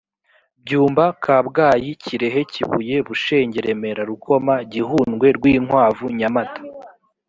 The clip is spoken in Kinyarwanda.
byumba kabgayi kirehe kibuye bushenge remera rukoma gihundwe rwinkwavu nyamata